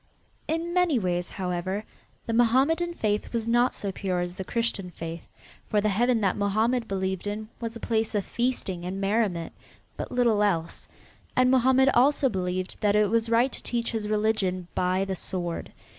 In many ways, however, the Mohammedan faith was not so pure as the Christian faith, for the Heaven that Mohammed believed in was a place of feasting and merriment, but little else, and Mohammed also believed that it was right to teach his religion by the sword.